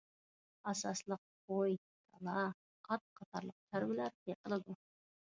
ئاساسلىق قوي، كالا، ئات قاتارلىق چارۋىلار بېقىلىدۇ.